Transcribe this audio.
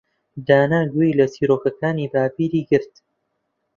دانا گوێی لە چیرۆکەکانی باپیری گرت.